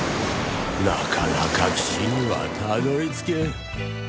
なかなか岸にはたどり着けん